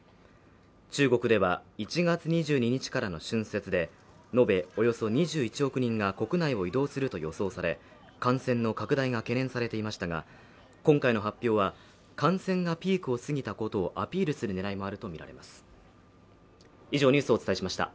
中国では１月２２日からの春節で延べおよそ２１億人が国内を移動すると予想され感染の拡大が懸念されていましたが今回の発表は感染がピークを過ぎたことをアピールする狙いもあるとみられます。